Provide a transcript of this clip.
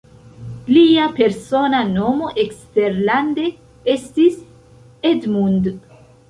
Lia persona nomo eksterlande estis "Edmund".